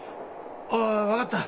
ああ分かった。